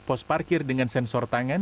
pos parkir dengan sensor tangan